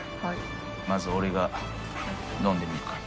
まず俺が飲んでみるから。